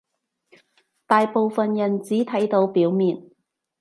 大部分人只睇到表面